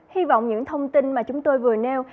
hy vọng những thông tin mà chúng tôi vừa nêu